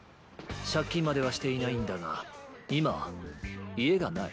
借金まではしていないんだが今家がない。